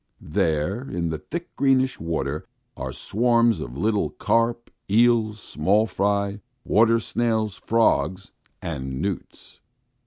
There, in the thick, greenish water are swarms of little carp, eels, small fry, water snails, frogs, and newts.